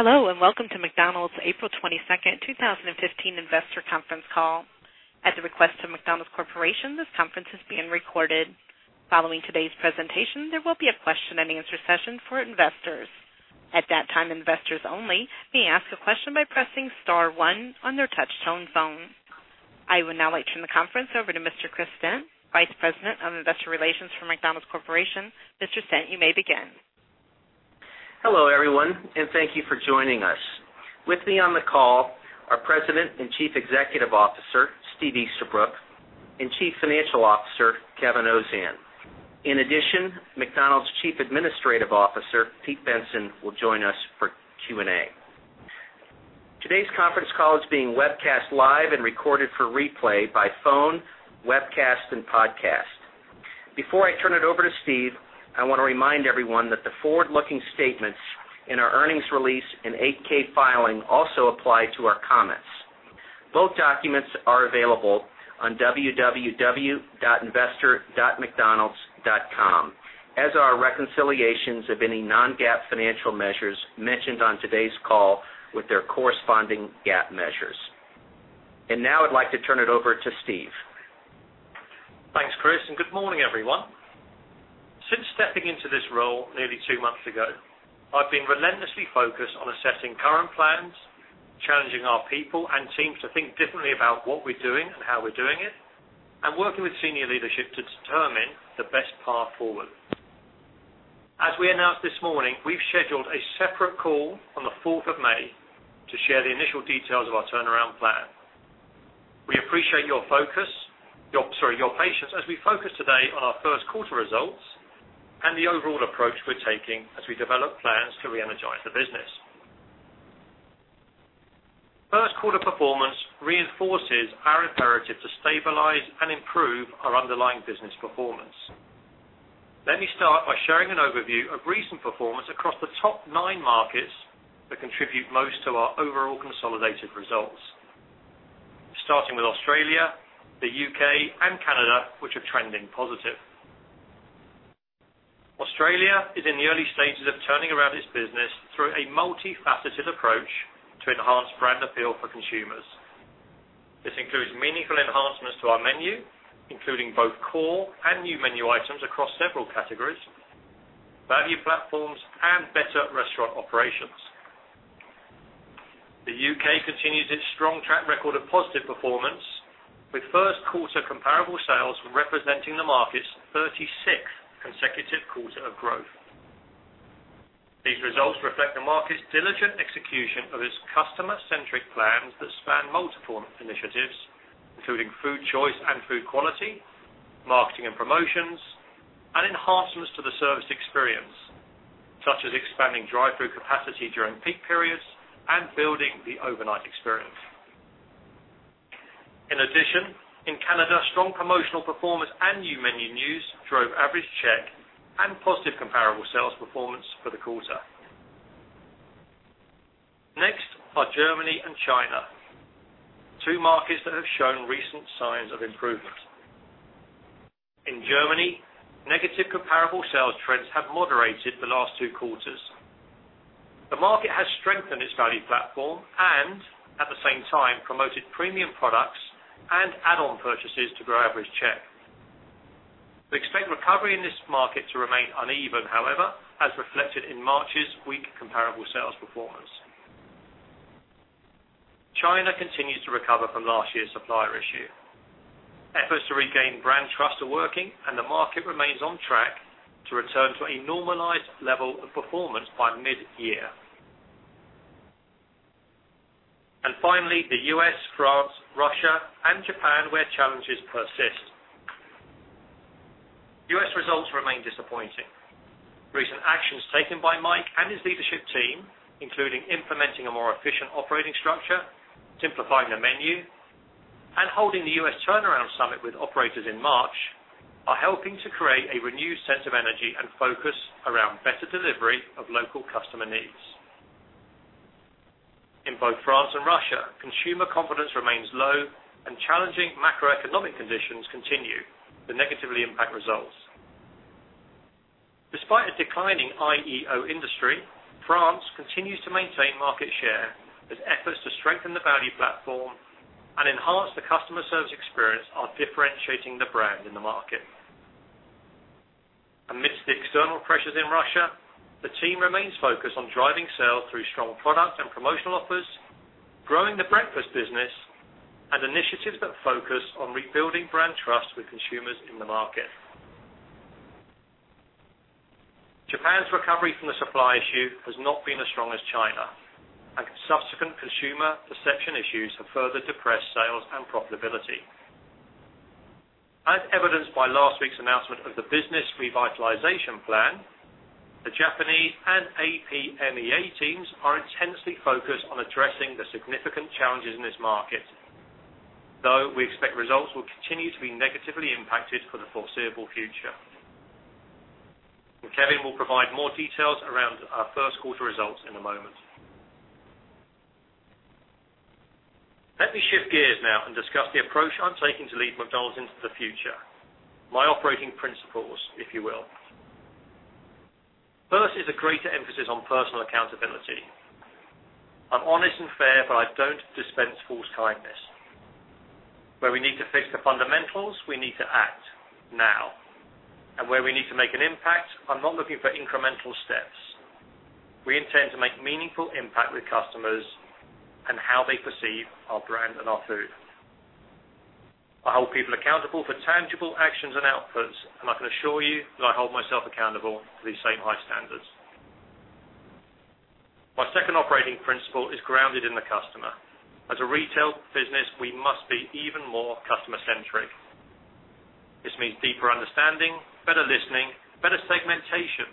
Hello, and welcome to McDonald's April 22nd, 2015 investor conference call. At the request of McDonald's Corporation, this conference is being recorded. Following today's presentation, there will be a question-and-answer session for investors. At that time, investors only may ask a question by pressing star one on their touch-tone phone. I would now like to turn the conference over to Mr. Chris Stent, Vice President of Investor Relations for McDonald's Corporation. Mr. Stent, you may begin. Hello, everyone, and thank you for joining us. With me on the call are President and Chief Executive Officer, Steve Easterbrook, and Chief Financial Officer, Kevin Ozan. In addition, McDonald's Chief Administrative Officer, Pete Bensen, will join us for Q&A. Today's conference call is being webcast live and recorded for replay by phone, webcast, and podcast. Before I turn it over to Steve, I want to remind everyone that the forward-looking statements in our earnings release and 8-K filing also apply to our comments. Both documents are available on www.investor.mcdonalds.com, as are reconciliations of any non-GAAP financial measures mentioned on today's call with their corresponding GAAP measures. Now I'd like to turn it over to Steve. Thanks, Chris, and good morning, everyone. Since stepping into this role nearly 2 months ago, I've been relentlessly focused on assessing current plans, challenging our people and teams to think differently about what we're doing and how we're doing it, and working with senior leadership to determine the best path forward. As we announced this morning, we've scheduled a separate call on the 4th of May to share the initial details of our turnaround plan. We appreciate your patience as we focus today on our first quarter results and the overall approach we're taking as we develop plans to reenergize the business. First quarter performance reinforces our imperative to stabilize and improve our underlying business performance. Let me start by sharing an overview of recent performance across the top nine markets that contribute most to our overall consolidated results. Starting with Australia, the U.K., and Canada, which are trending positive. Australia is in the early stages of turning around its business through a multifaceted approach to enhance brand appeal for consumers. This includes meaningful enhancements to our menu, including both core and new menu items across several categories, value platforms, and better restaurant operations. The U.K. continues its strong track record of positive performance, with first quarter comparable sales representing the market's 36th consecutive quarter of growth. These results reflect the market's diligent execution of its customer-centric plans that span multiple initiatives, including food choice and food quality, marketing and promotions, and enhancements to the service experience, such as expanding drive-thru capacity during peak periods and building the overnight experience. In addition, in Canada, strong promotional performance and new menu news drove average check and positive comparable sales performance for the quarter. Next are Germany and China, two markets that have shown recent signs of improvement. In Germany, negative comparable sales trends have moderated the last two quarters. The market has strengthened its value platform and, at the same time, promoted premium products and add-on purchases to grow average check. We expect recovery in this market to remain uneven, however, as reflected in March's weak comparable sales performance. China continues to recover from last year's supplier issue. Efforts to regain brand trust are working, and the market remains on track to return to a normalized level of performance by mid-year. Finally, the U.S., France, Russia, and Japan, where challenges persist. U.S. results remain disappointing. Recent actions taken by Mike and his leadership team, including implementing a more efficient operating structure, simplifying the menu, and holding the U.S. turnaround summit with operators in March, are helping to create a renewed sense of energy and focus around better delivery of local customer needs. In both France and Russia, consumer confidence remains low and challenging macroeconomic conditions continue to negatively impact results. Despite a declining IEO industry, France continues to maintain market share as efforts to strengthen the value platform and enhance the customer service experience are differentiating the brand in the market. Amidst the external pressures in Russia, the team remains focused on driving sales through strong products and promotional offers, growing the breakfast business, and initiatives that focus on rebuilding brand trust with consumers in the market. Japan's recovery from the supply issue has not been as strong as China, and subsequent consumer perception issues have further depressed sales and profitability. As evidenced by last week's announcement of the business revitalization plan, the Japanese and APMEA teams are intensely focused on addressing the significant challenges in this market. Though we expect results will continue to be negatively impacted for the foreseeable future. Kevin will provide more details around our first quarter results in a moment. Let me shift gears now and discuss the approach I'm taking to lead McDonald's into the future. My operating principles, if you will. First is a greater emphasis on personal accountability. I'm honest and fair, but I don't dispense false kindness. Where we need to fix the fundamentals, we need to act now. Where we need to make an impact, I'm not looking for incremental steps. We intend to make meaningful impact with customers and how they perceive our brand and our food. I hold people accountable for tangible actions and outputs, and I can assure you that I hold myself accountable to these same high standards. My second operating principle is grounded in the customer. As a retail business, we must be even more customer-centric. This means deeper understanding, better listening, better segmentation,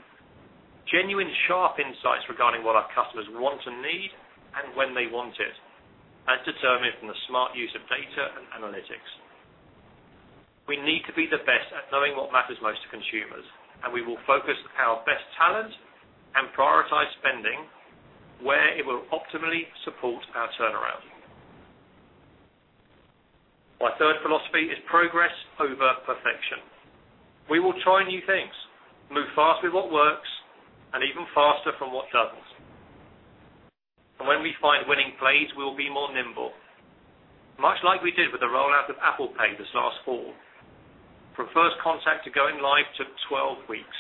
genuine, sharp insights regarding what our customers want and need and when they want it, as determined from the smart use of data and analytics. We need to be the best at knowing what matters most to consumers, and we will focus our best talent and prioritize spending where it will optimally support our turnaround. My third philosophy is progress over perfection. We will try new things, move fast with what works, and even faster from what doesn't. When we find winning plays, we will be more nimble, much like we did with the rollout of Apple Pay this last fall. From first contact to going live took 12 weeks.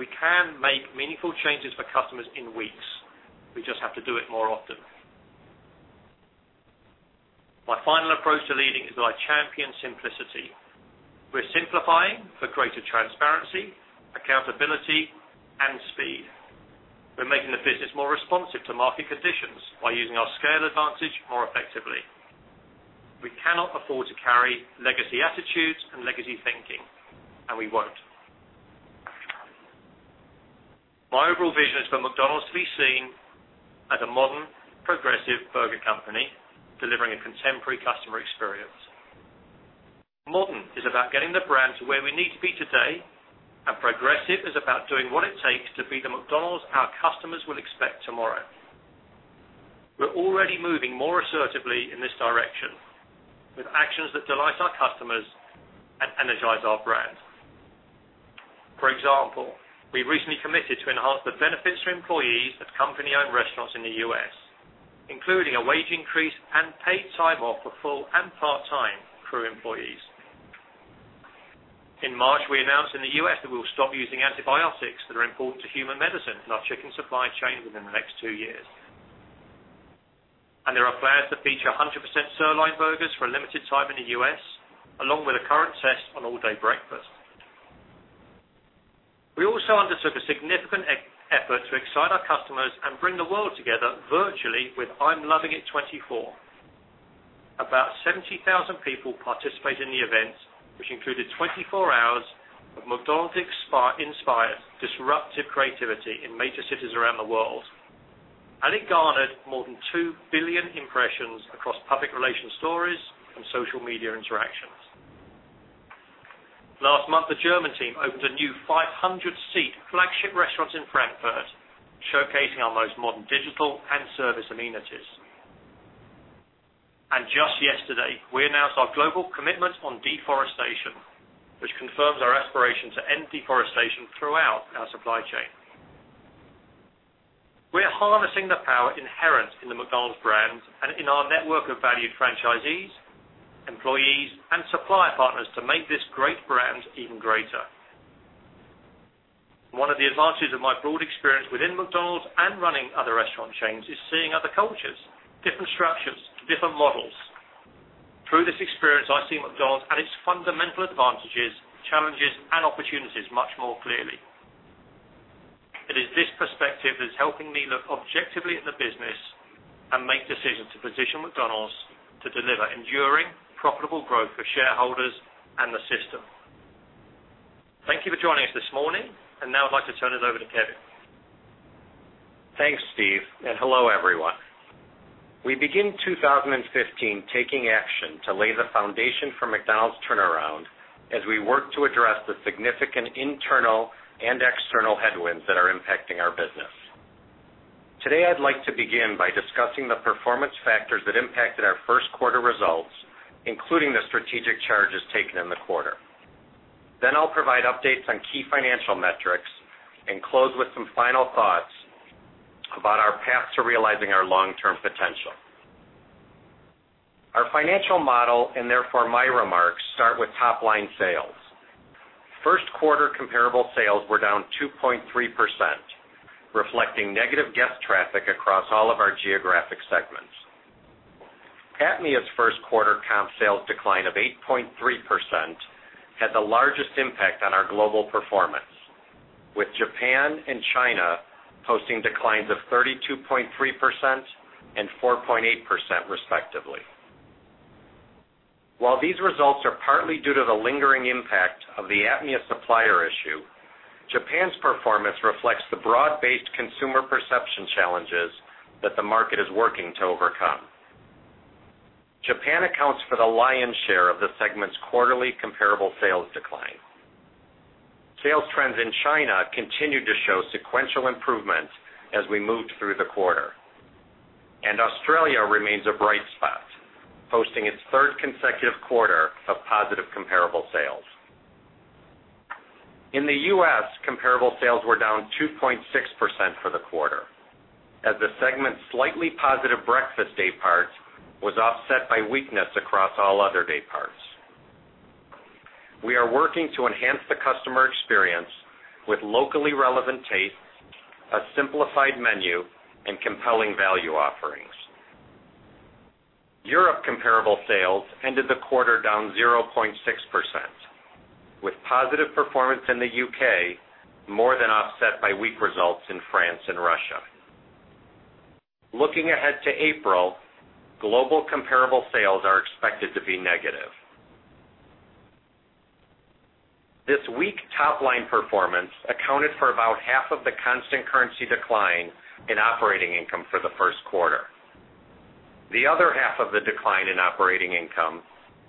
We can make meaningful changes for customers in weeks. We just have to do it more often. My final approach to leading is that I champion simplicity. We're simplifying for greater transparency, accountability, and speed. We're making the business more responsive to market conditions by using our scale advantage more effectively. We cannot afford to carry legacy attitudes and legacy thinking, and we won't. My overall vision is for McDonald's to be seen as a modern, progressive burger company, delivering a contemporary customer experience. Modern is about getting the brand to where we need to be today, and progressive is about doing what it takes to be the McDonald's our customers will expect tomorrow. We're already moving more assertively in this direction with actions that delight our customers and energize our brand. For example, we recently committed to enhance the benefits for employees of company-owned restaurants in the U.S., including a wage increase and paid time off for full- and part-time crew employees. In March, we announced in the U.S. that we will stop using antibiotics that are important to human medicine in our chicken supply chain within the next two years. There are plans to feature 100% sirloin burgers for a limited time in the U.S., along with a current test on all-day breakfast. We also undertook a significant effort to excite our customers and bring the world together virtually with I'm Lovin' It 24. About 70,000 people participated in the event, which included 24 hours of McDonald's inspired disruptive creativity in major cities around the world. It garnered more than 2 billion impressions across public relations stories and social media interactions. Last month, the German team opened a new 500-seat flagship restaurant in Frankfurt, showcasing our most modern digital and service amenities. Just yesterday, we announced our global commitment on deforestation, which confirms our aspiration to end deforestation throughout our supply chain. We are harnessing the power inherent in the McDonald's brand and in our network of valued franchisees, employees, and supplier partners to make this great brand even greater. One of the advantages of my broad experience within McDonald's and running other restaurant chains is seeing other cultures, different structures, different models. Through this experience, I see McDonald's and its fundamental advantages, challenges, and opportunities much more clearly. It is this perspective that is helping me look objectively at the business and make decisions to position McDonald's to deliver enduring, profitable growth for shareholders and the system. Thank you for joining us this morning, and now I'd like to turn it over to Kevin. Thanks, Steve, and hello, everyone. We begin 2015 taking action to lay the foundation for McDonald's turnaround as we work to address the significant internal and external headwinds that are impacting our business. Today, I'd like to begin by discussing the performance factors that impacted our first quarter results, including the strategic charges taken in the quarter. I'll provide updates on key financial metrics and close with some final thoughts about our path to realizing our long-term potential. Our financial model, and therefore my remarks, start with top-line sales. First quarter comparable sales were down 2.3%, reflecting negative guest traffic across all of our geographic segments. APMEA's first quarter comp sales decline of 8.3% had the largest impact on our global performance, with Japan and China posting declines of 32.3% and 4.8% respectively. While these results are partly due to the lingering impact of the APMEA supplier issue, Japan's performance reflects the broad-based consumer perception challenges that the market is working to overcome. Japan accounts for the lion's share of the segment's quarterly comparable sales decline. Sales trends in China continued to show sequential improvements as we moved through the quarter. Australia remains a bright spot, posting its third consecutive quarter of positive comparable sales. In the U.S., comparable sales were down 2.6% for the quarter, as the segment's slightly positive breakfast day part was offset by weakness across all other day parts. We are working to enhance the customer experience with locally relevant tastes, a simplified menu, and compelling value offerings. Europe comparable sales ended the quarter down 0.6%, with positive performance in the U.K. more than offset by weak results in France and Russia. Looking ahead to April, global comparable sales are expected to be negative. This weak top-line performance accounted for about half of the constant currency decline in operating income for the first quarter. The other half of the decline in operating income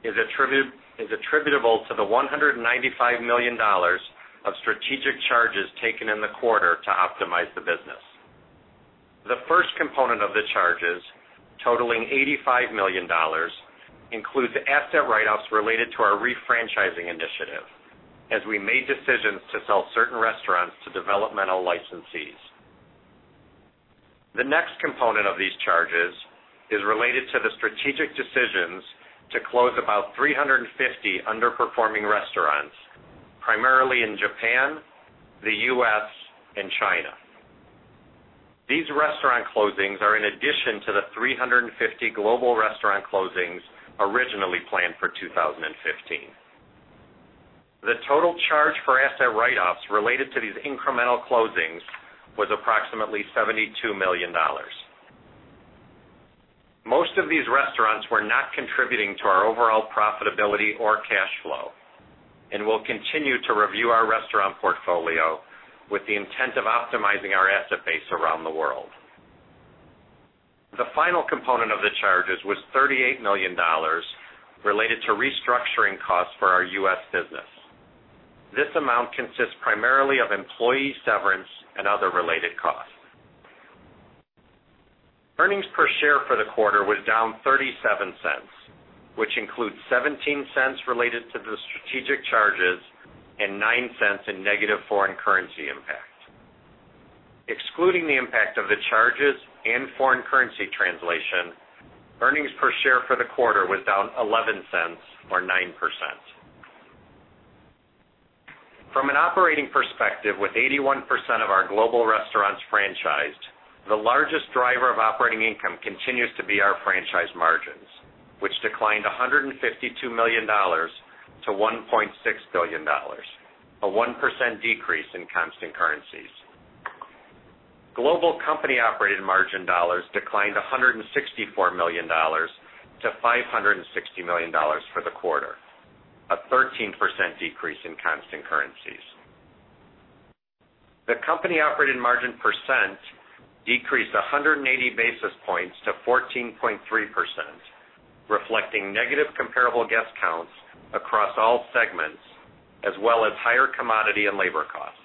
is attributable to the $195 million of strategic charges taken in the quarter to optimize the business. The first component of the charges, totaling $85 million, includes asset write-offs related to our refranchising initiative, as we made decisions to sell certain restaurants to developmental licensees. The next component of these charges is related to the strategic decisions to close about 350 underperforming restaurants, primarily in Japan, the U.S., and China. These restaurant closings are in addition to the 350 global restaurant closings originally planned for 2015. The total charge for asset write-offs related to these incremental closings was approximately $72 million. Most of these restaurants were not contributing to our overall profitability or cash flow. We'll continue to review our restaurant portfolio with the intent of optimizing our asset base around the world. The final component of the charges was $38 million related to restructuring costs for our U.S. business. This amount consists primarily of employee severance and other related costs. Earnings per share for the quarter was down $0.37, which includes $0.17 related to the strategic charges and $0.09 in negative foreign currency impact. Excluding the impact of the charges and foreign currency translation, earnings per share for the quarter was down $0.11 or 9%. From an operating perspective, with 81% of our global restaurants franchised, the largest driver of operating income continues to be our franchise margins, which declined $152 million to $1.6 billion, a 1% decrease in constant currencies. Global company operating margin dollars declined $164 million to $560 million for the quarter, a 13% decrease in constant currencies. The company operating margin percent decreased 180 basis points to 14.3%, reflecting negative comparable guest counts across all segments, as well as higher commodity and labor costs.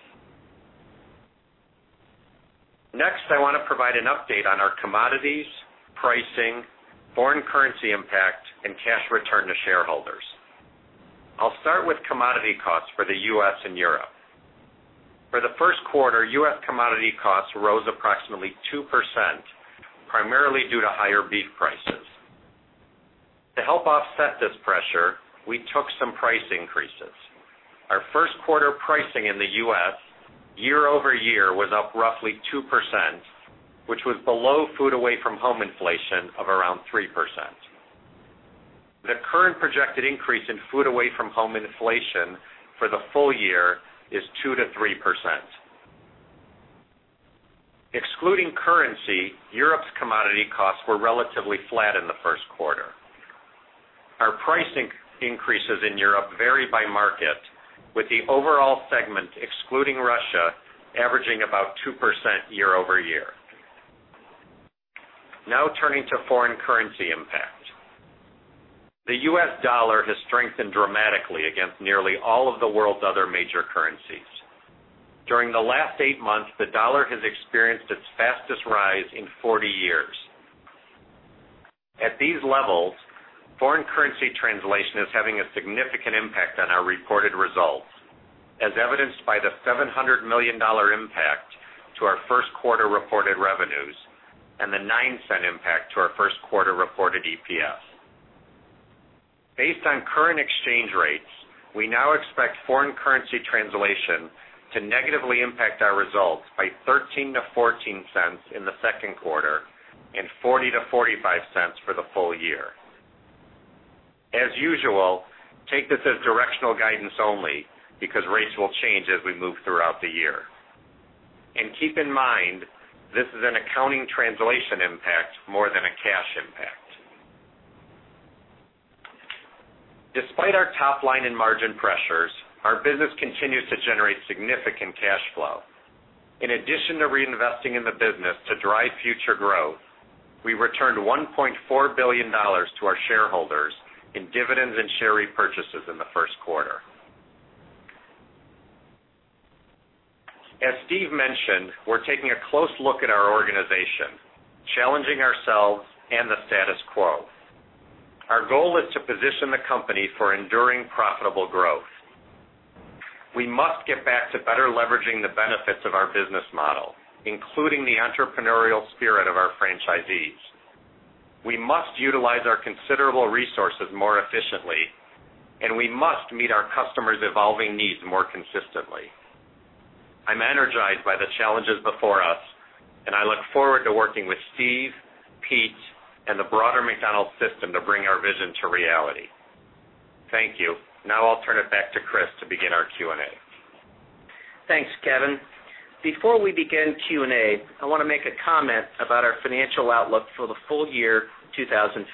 I want to provide an update on our commodities, pricing, foreign currency impact, and cash return to shareholders. I'll start with commodity costs for the U.S. and Europe. For the first quarter, U.S. commodity costs rose approximately 2%, primarily due to higher beef prices. To help offset this pressure, we took some price increases. Our first quarter pricing in the U.S. year-over-year was up roughly 2%, which was below food away from home inflation of around 3%. The current projected increase in food away from home inflation for the full year is 2%-3%. Excluding currency, Europe's commodity costs were relatively flat in the first quarter. Our price increases in Europe vary by market, with the overall segment, excluding Russia, averaging about 2% year-over-year. Turning to foreign currency impact. The U.S. dollar has strengthened dramatically against nearly all of the world's other major currencies. During the last eight months, the dollar has experienced its fastest rise in 40 years. At these levels, foreign currency translation is having a significant impact on our reported results, as evidenced by the $700 million impact to our first quarter reported revenues and the $0.09 impact to our first quarter reported EPS. Based on current exchange rates, we now expect foreign currency translation to negatively impact our results by $0.13-$0.14 in the second quarter and $0.40-$0.45 for the full year. As usual, take this as directional guidance only because rates will change as we move throughout the year. Keep in mind, this is an accounting translation impact more than a cash impact. Despite our top line and margin pressures, our business continues to generate significant cash flow. In addition to reinvesting in the business to drive future growth, we returned $1.4 billion to our shareholders in dividends and share repurchases in the first quarter. As Steve mentioned, we're taking a close look at our organization, challenging ourselves and the status quo. Our goal is to position the company for enduring profitable growth. We must get back to better leveraging the benefits of our business model, including the entrepreneurial spirit of our franchisees. We must utilize our considerable resources more efficiently, and we must meet our customers' evolving needs more consistently. I'm energized by the challenges before us, and I look forward to working with Steve, Pete, and the broader McDonald's system to bring our vision to reality. Thank you. I'll turn it back to Chris to begin our Q&A. Thanks, Kevin. Before we begin Q&A, I want to make a comment about our financial outlook for the full year 2015.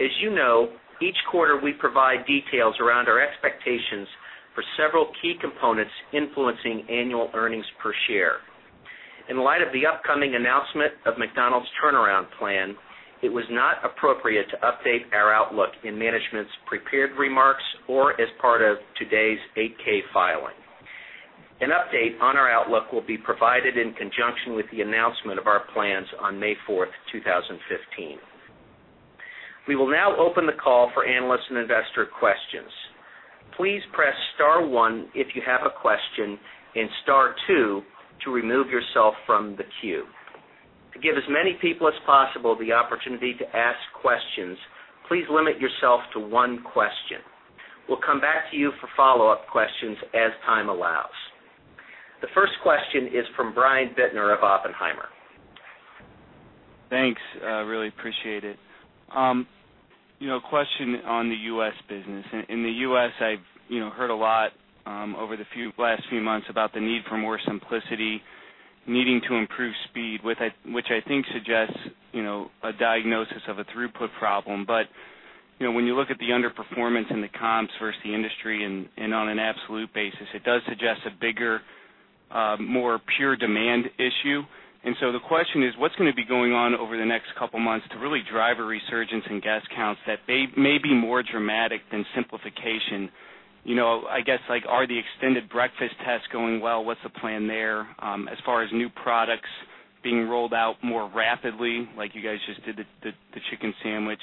As you know, each quarter we provide details around our expectations for several key components influencing annual earnings per share. In light of the upcoming announcement of McDonald's turnaround plan, it was not appropriate to update our outlook in management's prepared remarks or as part of today's 8-K filing. An update on our outlook will be provided in conjunction with the announcement of our plans on May 4th, 2015. We will now open the call for analyst and investor questions. Please press star one if you have a question and star two to remove yourself from the queue. To give as many people as possible the opportunity to ask questions, please limit yourself to one question. We'll come back to you for follow-up questions as time allows. The first question is from Brian Bittner of Oppenheimer. Thanks. Really appreciate it. A question on the U.S. business. In the U.S., I've heard a lot over the last few months about the need for more simplicity, needing to improve speed, which I think suggests a diagnosis of a throughput problem. When you look at the underperformance in the comps versus the industry and on an absolute basis, it does suggest a bigger, more pure demand issue. The question is, what's going to be going on over the next couple of months to really drive a resurgence in guest counts that may be more dramatic than simplification? I guess, are the extended breakfast tests going well? What's the plan there? As far as new products being rolled out more rapidly, like you guys just did the chicken sandwich,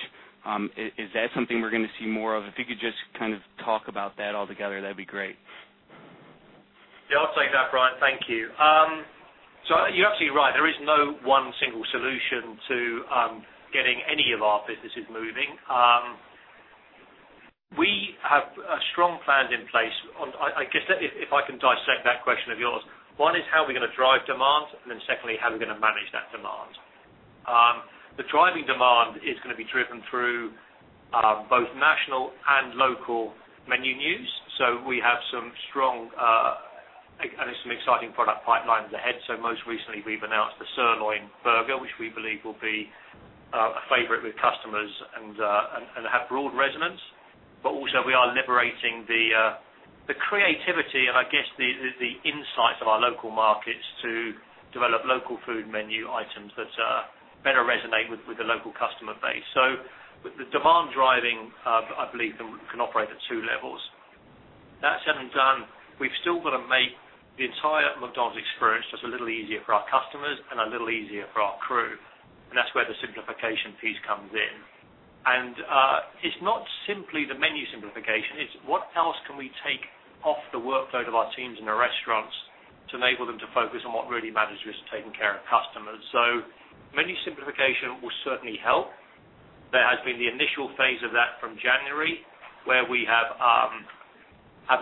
is that something we're going to see more of? If you could just kind of talk about that all together, that'd be great. Yeah, I'll take that, Brian. Thank you. You're absolutely right. There is no one single solution to getting any of our businesses moving. We have strong plans in place. I guess if I can dissect that question of yours, one is how are we going to drive demand, and then secondly, how are we going to manage that demand? The driving demand is going to be driven through both national and local menu news. We have some strong and some exciting product pipeline ahead. Most recently, we've announced the sirloin burger, which we believe will be a favorite with customers and have broad resonance. Also, we are liberating the creativity and I guess the insights of our local markets to develop local food menu items that better resonate with the local customer base. With the demand driving, I believe that we can operate at 2 levels. That having been done, we've still got to make the entire McDonald's experience just a little easier for our customers and a little easier for our crew. That's where the simplification piece comes in. It's not simply the menu simplification. It's what else can we take off the workload of our teams in the restaurants to enable them to focus on what really matters, which is taking care of customers. Menu simplification will certainly help. There has been the initial phase of that from January, where we have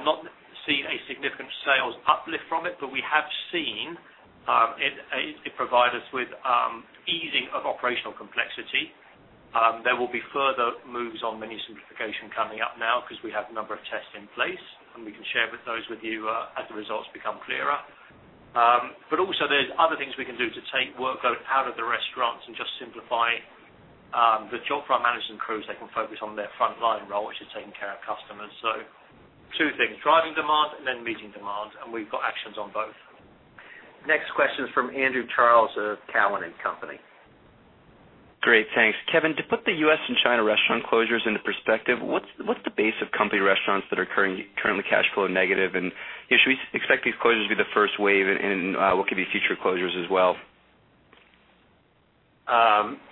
not seen a significant sales uplift from it, but we have seen it provide us with easing of operational complexity. There will be further moves on menu simplification coming up now because we have a number of tests in place, and we can share those with you as the results become clearer. Also, there's other things we can do to take workload out of the restaurants and just simplify the job for our management crews. They can focus on their frontline role, which is taking care of customers. Two things, driving demand and then meeting demand. We've got actions on both. Next question is from Andrew Charles of Cowen and Company. Great. Thanks. Kevin, to put the U.S. and China restaurant closures into perspective, what's the base of company restaurants that are currently cash flow negative? Should we expect these closures to be the first wave and what could be future closures as well?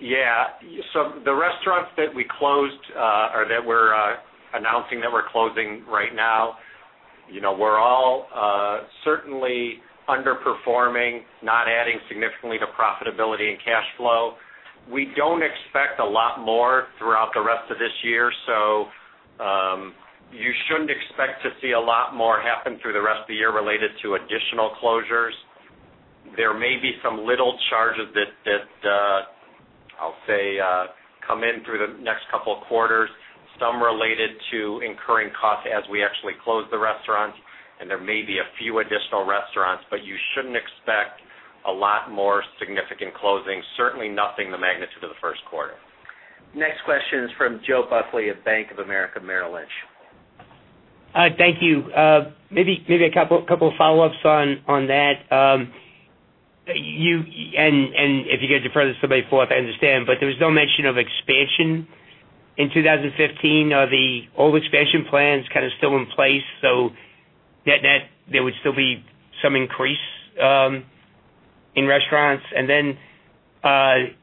Yeah. The restaurants that we closed or that we're announcing that we're closing right now, were all certainly underperforming, not adding significantly to profitability and cash flow. We don't expect a lot more throughout the rest of this year, so you shouldn't expect to see a lot more happen through the rest of the year related to additional closures. There may be some little charges that I'll say come in through the next couple of quarters, some related to incurring costs as we actually close the restaurants, and there may be a few additional restaurants, but you shouldn't expect a lot more significant closings, certainly nothing the magnitude of the first quarter. Next question is from Joseph Buckley of Bank of America Merrill Lynch. Thank you. Maybe a couple of follow-ups on that. If you're going to defer this to somebody else, I understand, but there was no mention of expansion in 2015. Are the old expansion plans kind of still in place so there would still be some increase in restaurants? A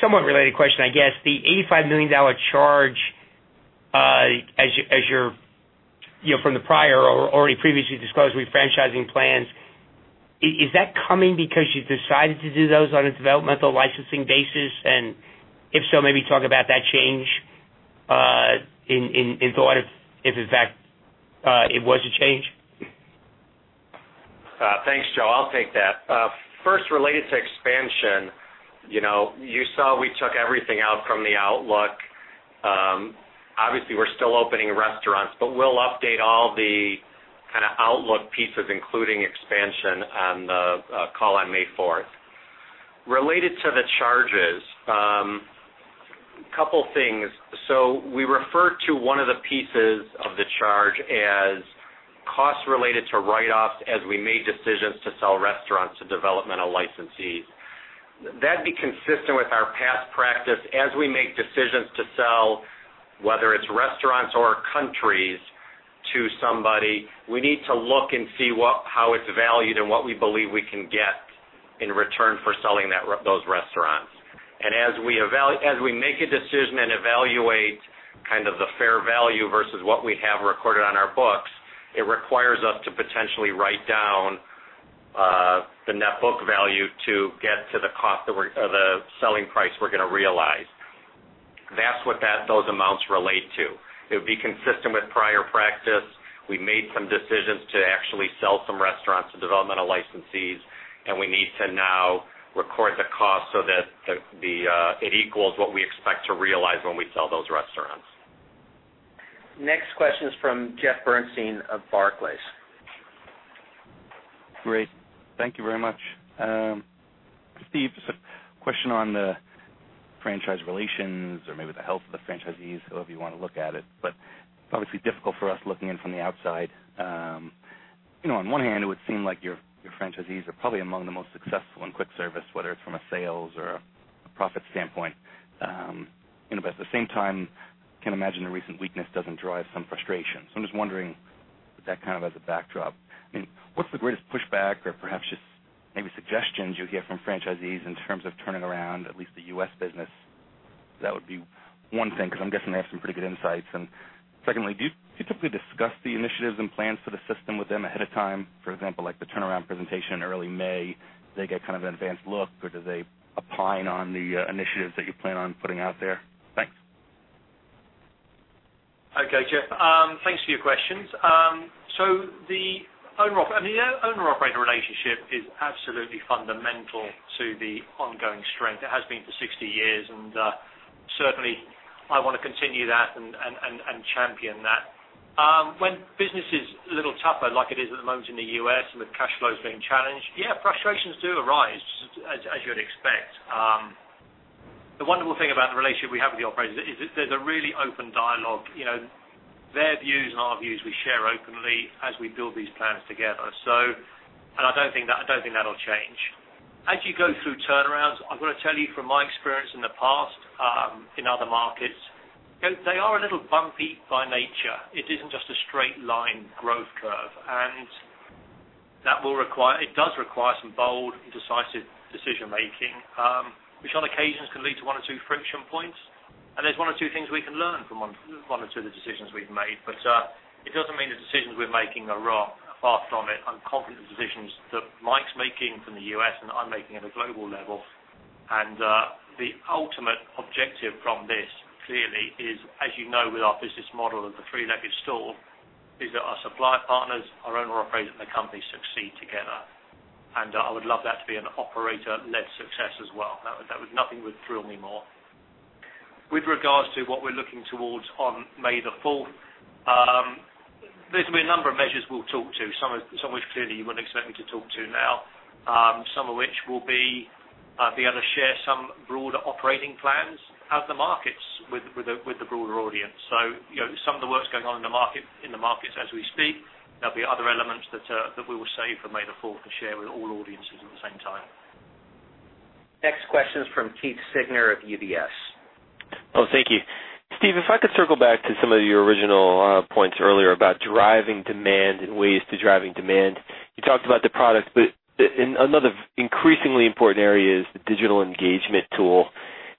somewhat related question, I guess, the $85 million charge from the prior or already previously disclosed refranchising plans, is that coming because you decided to do those on a developmental licensing basis? If so, maybe talk about that change in thought, if in fact, it was a change. Thanks, Joe. I'll take that. First, related to expansion, you saw we took everything out from the outlook. Obviously, we're still opening restaurants, but we'll update all the kind of outlook pieces, including expansion, on the call on May 4th. Related to the charges, couple of things. We refer to one of the pieces of the charge as costs related to write-offs as we made decisions to sell restaurants to developmental licensees. That'd be consistent with our past practice as we make decisions to sell, whether it's restaurants or countries to somebody, we need to look and see how it's valued and what we believe we can get in return for selling those restaurants. As we make a decision and evaluate kind of the fair value versus what we have recorded on our books, it requires us to potentially write down the net book value to get to the selling price we're going to realize. That's what those amounts relate to. It would be consistent with prior practice. We made some decisions to actually sell some restaurants to developmental licensees, and we need to now record the cost so that it equals what we expect to realize when we sell those restaurants. Next question is from Jeffrey Bernstein of Barclays. Great. Thank you very much. Steve, just a question on the franchise relations or maybe the health of the franchisees, however you want to look at it. It's obviously difficult for us looking in from the outside. On one hand, it would seem like your franchisees are probably among the most successful in quick service, whether it's from a sales or a profit standpoint. At the same time, I can't imagine the recent weakness doesn't drive some frustration. I'm just wondering with that kind of as a backdrop, what's the greatest pushback or perhaps just maybe suggestions you hear from franchisees in terms of turning around at least the U.S. business? That would be one thing, because I'm guessing they have some pretty good insights. Secondly, do you typically discuss the initiatives and plans for the system with them ahead of time? For example, like the turnaround presentation in early May, do they get kind of an advanced look, or do they opine on the initiatives that you plan on putting out there? Thanks. Okay, Jeff. Thanks for your questions. The owner operator relationship is absolutely fundamental to the ongoing strength. It has been for 60 years, and certainly I want to continue that and champion that. When business is a little tougher, like it is at the moment in the U.S. with cash flows being challenged, yeah, frustrations do arise, as you would expect. The wonderful thing about the relationship we have with the operators is that there's a really open dialogue. Their views and our views we share openly as we build these plans together, and I don't think that'll change. As you go through turnarounds, I've got to tell you from my experience in the past, in other markets, they are a little bumpy by nature. It isn't just a straight line growth curve, and it does require some bold and decisive decision-making, which on occasions can lead to one or two friction points, and there's one or two things we can learn from one or two of the decisions we've made. It doesn't mean the decisions we're making are wrong. Far from it. I'm confident the decisions that Mike's making from the U.S. and I'm making at a global level, and the ultimate objective from this clearly is, as you know, with our business model of the three-legged stool, is that our supply partners, our owner operators, and the company succeed together. I would love that to be an operator-led success as well. Nothing would thrill me more. With regards to what we're looking towards on May the 4th, there's been a number of measures we'll talk to, some of which clearly you wouldn't expect me to talk to now. Some of which will be, I'll be able to share some broader operating plans out of the markets with the broader audience. Some of the work's going on in the markets as we speak. There'll be other elements that we will save for May the 4th and share with all audiences at the same time. Next question is from Keith Siegner of UBS. Oh, thank you. Steve, if I could circle back to some of your original points earlier about driving demand and ways to driving demand. You talked about the product. Another increasingly important area is the digital engagement tool.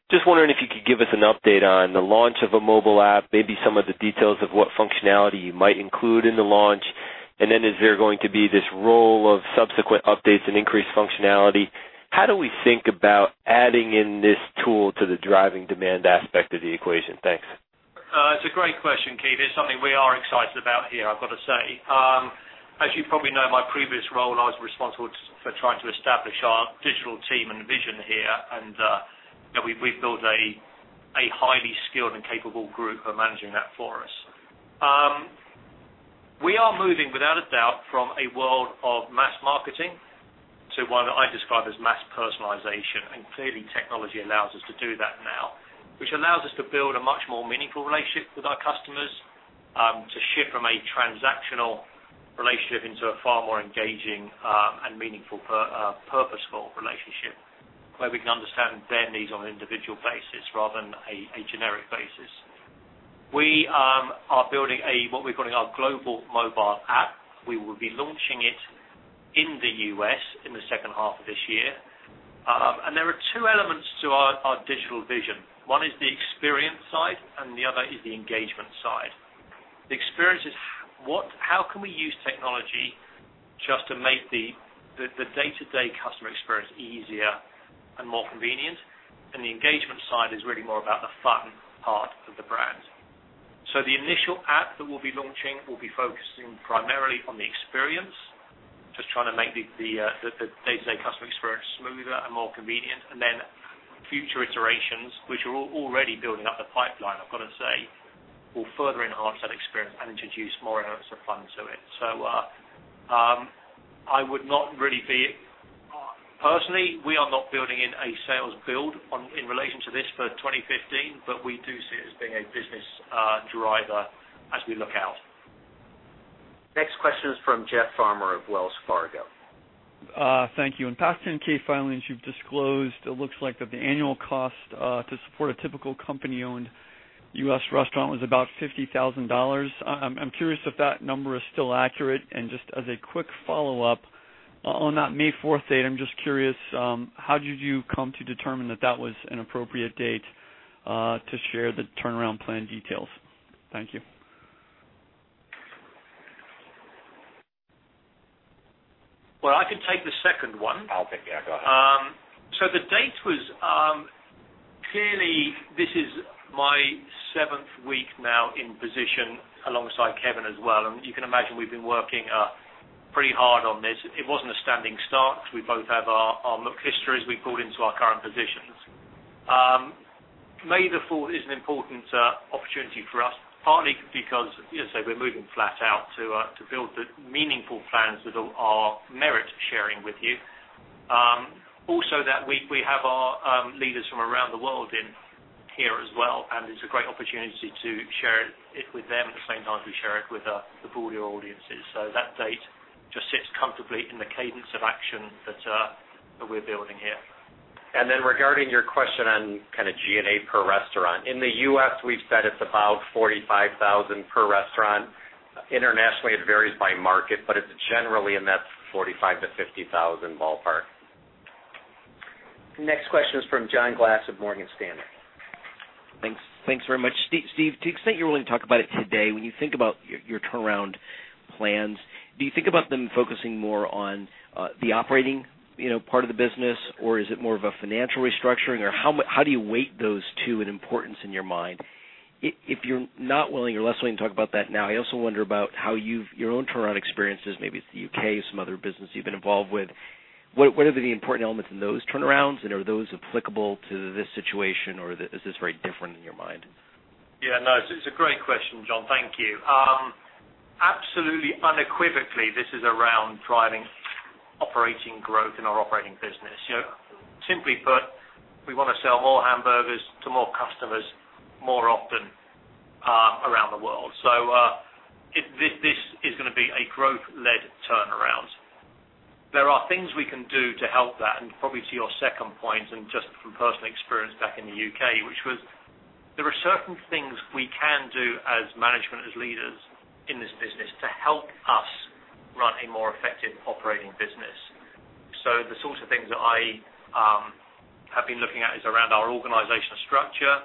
Just wondering if you could give us an update on the launch of a mobile app, maybe some of the details of what functionality you might include in the launch. Then is there going to be this role of subsequent updates and increased functionality? How do we think about adding in this tool to the driving demand aspect of the equation? Thanks. It's a great question, Keith. It's something we are excited about here, I've got to say. As you probably know, my previous role, I was responsible for trying to establish our digital team and vision here, and we've built a highly skilled and capable group who are managing that for us. We are moving, without a doubt, from a world of mass marketing to what I describe as mass personalization. Clearly, technology allows us to do that now, which allows us to build a much more meaningful relationship with our customers, to shift from a transactional relationship into a far more engaging and meaningful, purposeful relationship, where we can understand their needs on an individual basis rather than a generic basis. We are building what we're calling our global mobile app. We will be launching it in the U.S. in the second half of this year. There are two elements to our digital vision. One is the experience side and the other is the engagement side. The experience is how can we use technology just to make the day-to-day customer experience easier and more convenient? The engagement side is really more about the fun part of the brand. The initial app that we'll be launching will be focusing primarily on the experience, just trying to make the day-to-day customer experience smoother and more convenient. Then future iterations, which we're already building up the pipeline, I've got to say, will further enhance that experience and introduce more elements of fun to it. Personally, we are not building in a sales build in relation to this for 2015, but we do see it as being a business driver as we look out. Next question is from Jeff Farmer of Wells Fargo. Thank you. In past 10-K filings you've disclosed, it looks like that the annual cost to support a typical company-owned U.S. restaurant was about $50,000. I'm curious if that number is still accurate, and just as a quick follow-up, on that May 4th date, I'm just curious, how did you come to determine that that was an appropriate date to share the turnaround plan details? Thank you. Well, I can take the second one. I'll take Yeah, go ahead. The date was, clearly this is my seventh week now in position alongside Kevin as well, and you can imagine we've been working pretty hard on this. It wasn't a standing start. We both have our histories we brought into our current positions. May the 4th is an important opportunity for us, partly because, as I say, we're moving flat out to build the meaningful plans that are merit sharing with you. Also that we have our leaders from around the world in here as well, and it's a great opportunity to share it with them at the same time we share it with the broader audiences. That date just sits comfortably in the cadence of action that we're building here. Regarding your question on G&A per restaurant. In the U.S., we've said it's about $45,000 per restaurant. Internationally, it varies by market, but it's generally in that $45,000-$50,000 ballpark. Next question is from John Glass of Morgan Stanley. Thanks very much. Steve, to the extent you're willing to talk about it today, when you think about your turnaround plans, do you think about them focusing more on the operating part of the business, or is it more of a financial restructuring, or how do you weight those two in importance in your mind? If you're not willing or less willing to talk about that now, I also wonder about how your own turnaround experiences, maybe it's the U.K., some other business you've been involved with, what are the important elements in those turnarounds, and are those applicable to this situation, or is this very different in your mind? Yeah, no, it's a great question, John. Thank you. Absolutely, unequivocally, this is around driving operating growth in our operating business. Simply put, we want to sell more hamburgers to more customers more often around the world. This is going to be a growth-led turnaround. There are things we can do to help that, and probably to your second point, and just from personal experience back in the U.K., which was, there are certain things we can do as management, as leaders in this business to help us run a more effective operating business. The sorts of things that I have been looking at is around our organizational structure,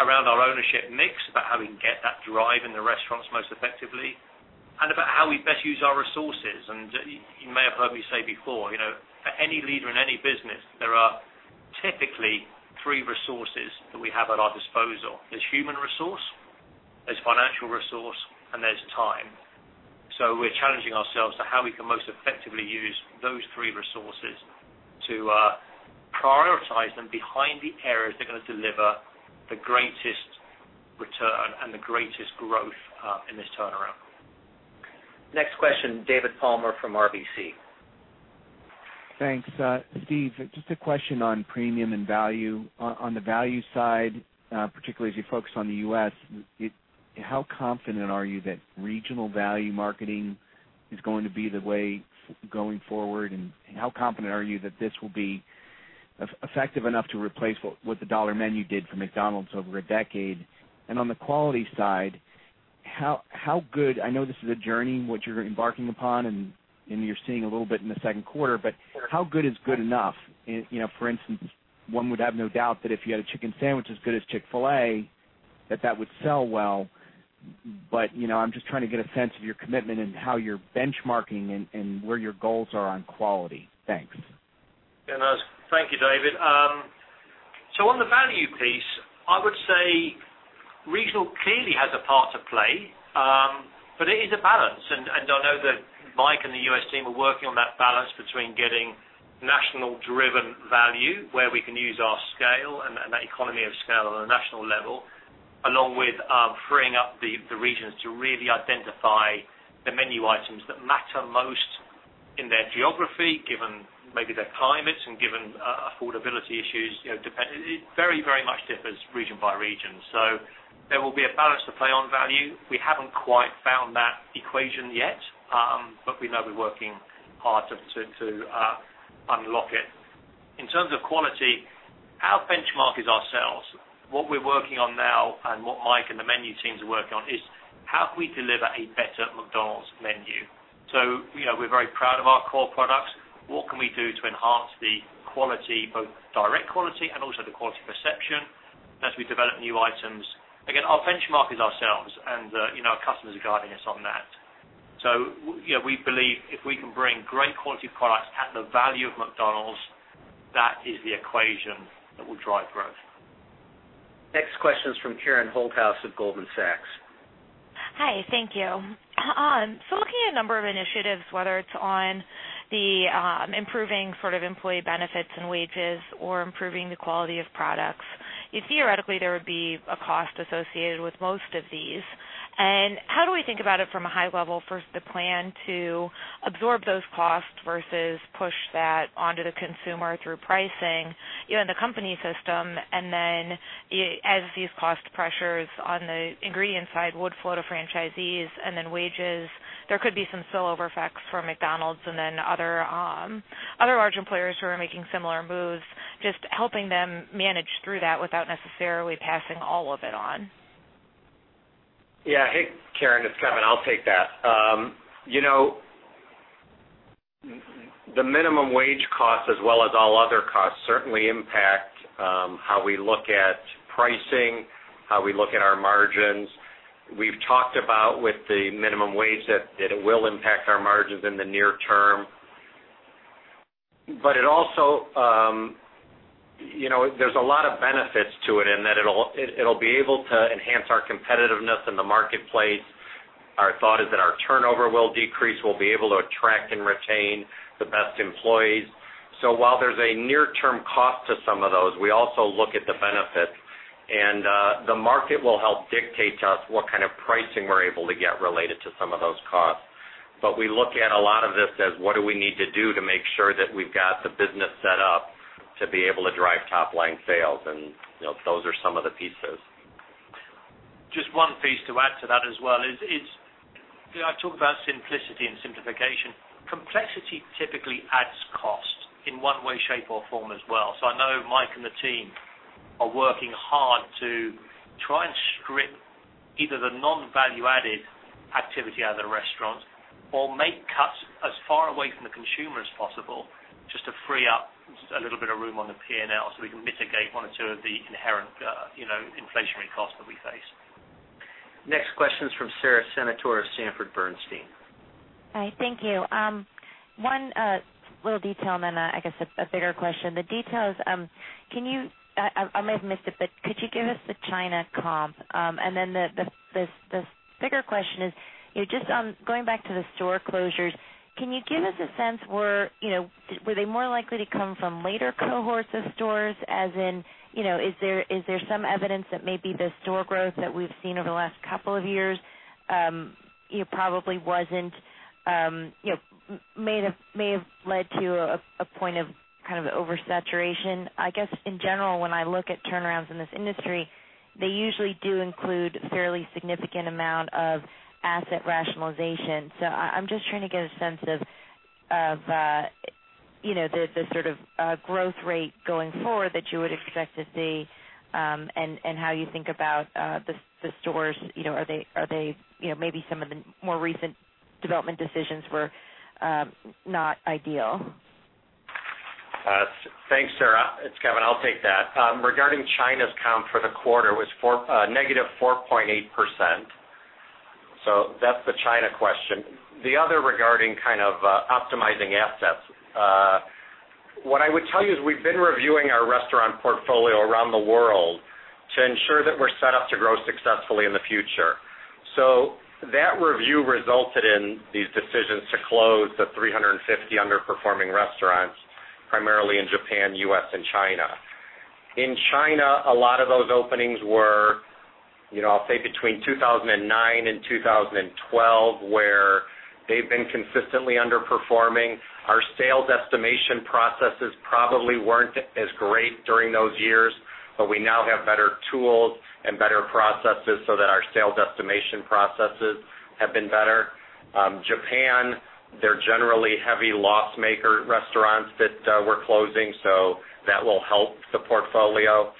around our ownership mix, about how we can get that drive in the restaurants most effectively, and about how we best use our resources. You may have heard me say before, for any leader in any business, there are typically three resources that we have at our disposal. There's human resource, there's financial resource, and there's time. We're challenging ourselves to how we can most effectively use those three resources to prioritize them behind the areas that are going to deliver the greatest return and the greatest growth in this turnaround. Next question, David Palmer from RBC. Thanks. Steve, just a question on premium and value. On the value side, particularly as you focus on the U.S., how confident are you that regional value marketing is going to be the way going forward, and how confident are you that this will be effective enough to replace what the dollar menu did for McDonald's over a decade? On the quality side, how good, I know this is a journey, what you're embarking upon, and you're seeing a little bit in the second quarter, but how good is good enough? For instance, one would have no doubt that if you had a chicken sandwich as good as Chick-fil-A, that that would sell well. I'm just trying to get a sense of your commitment and how you're benchmarking and where your goals are on quality. Thanks. Yeah, no, thank you, David. On the value piece, I would say regional clearly has a part to play. It is a balance, and I know that Mike and the U.S. team are working on that balance between getting National driven value, where we can use our scale and that economy of scale on a national level, along with freeing up the regions to really identify the menu items that matter most in their geography, given maybe their climates and given affordability issues. It very much differs region by region. There will be a balance to play on value. We haven't quite found that equation yet, but we know we're working hard to unlock it. In terms of quality, our benchmark is ourselves. What we're working on now, and what Mike and the menu teams are working on, is how can we deliver a better McDonald's menu? We're very proud of our core products. What can we do to enhance the quality, both direct quality and also the quality perception as we develop new items? Again, our benchmark is ourselves, and our customers are guiding us on that. We believe if we can bring great quality products at the value of McDonald's, that is the equation that will drive growth. Next question is from Karen Holthouse of Goldman Sachs. Hi, thank you. Looking at a number of initiatives, whether it's on the improving employee benefits and wages or improving the quality of products, theoretically, there would be a cost associated with most of these. How do we think about it from a high level versus the plan to absorb those costs versus push that onto the consumer through pricing in the company system, and then as these cost pressures on the ingredient side would flow to franchisees and then wages, there could be some spillover effects for McDonald's and then other large employers who are making similar moves, just helping them manage through that without necessarily passing all of it on. Yeah. Hey, Karen, it's Kevin. I'll take that. The minimum wage cost as well as all other costs certainly impact how we look at pricing, how we look at our margins. There's a lot of benefits to it in that it'll be able to enhance our competitiveness in the marketplace. Our thought is that our turnover will decrease. We'll be able to attract and retain the best employees. While there's a near-term cost to some of those, we also look at the benefits, and the market will help dictate to us what kind of pricing we're able to get related to some of those costs. We look at a lot of this as what do we need to do to make sure that we've got the business set up to be able to drive top-line sales, those are some of the pieces. Just one piece to add to that as well is, I talk about simplicity and simplification. Complexity typically adds cost in one way, shape, or form as well. I know Mike and the team are working hard to try and strip either the non-value added activity out of the restaurant or make cuts as far away from the consumer as possible just to free up a little bit of room on the P&L so we can mitigate one or two of the inherent inflationary costs that we face. Next question is from Sara Senatore of Sanford C. Bernstein. Hi, thank you. One little detail, then I guess a bigger question. The details, I may have missed it, but could you give us the China comp? Then the bigger question is, just on going back to the store closures, can you give us a sense, were they more likely to come from later cohorts of stores, as in, is there some evidence that maybe the store growth that we've seen over the last couple of years may have led to a point of kind of oversaturation? I guess in general, when I look at turnarounds in this industry, they usually do include a fairly significant amount of asset rationalization. I'm just trying to get a sense of the sort of growth rate going forward that you would expect to see and how you think about the stores. Maybe some of the more recent development decisions were not ideal. Thanks, Sara. It's Kevin, I'll take that. Regarding China's comp for the quarter was -4.8%. That's the China question. The other regarding kind of optimizing assets. What I would tell you is we've been reviewing our restaurant portfolio around the world to ensure that we're set up to grow successfully in the future. That review resulted in these decisions to close the 350 underperforming restaurants, primarily in Japan, U.S., and China. In China, a lot of those openings were, I'll say between 2009 and 2012, where they've been consistently underperforming. Our sales estimation processes probably weren't as great during those years, but we now have better tools and better processes so that our sales estimation processes have been better. Japan, they're generally heavy loss-maker restaurants that we're closing, so that will help the portfolio.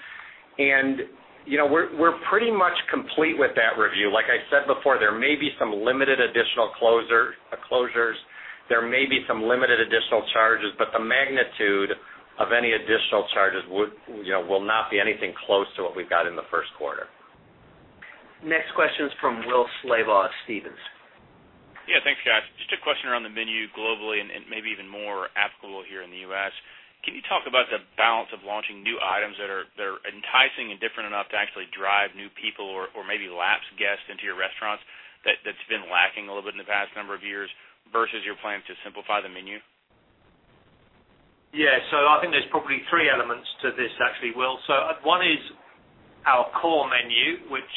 We're pretty much complete with that review. Like I said before, there may be some limited additional closures. There may be some limited additional charges, but the magnitude of any additional charges will not be anything close to what we've got in the first quarter. Next question is from Will Slabaugh of Stephens. Yeah, thanks, guys. Just a question around the menu globally and maybe even more applicable here in the U.S. Can you talk about the balance of launching new items that are enticing and different enough to actually drive new people or maybe lapsed guests into your restaurants, that's been lacking a little bit in the past number of years, versus your plan to simplify the menu? Yeah. I think there's probably three elements to this, actually, Will. One is our core menu, which